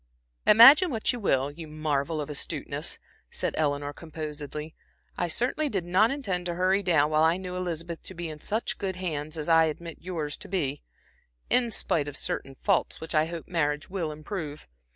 "Imagine what you will, you marvel of astuteness," said Eleanor, composedly. "I certainly did not intend to hurry down while I knew Elizabeth to be in such good hands, as I admit yours to be, in spite of certain faults which I hope marriage will improve.